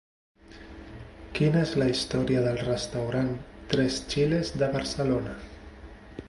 Quina és la història del restaurant Tres Chiles de Barcelona?